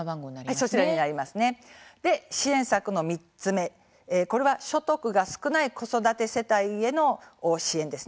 そして支援策の３つ目これは所得が少ない子育て世帯への支援です。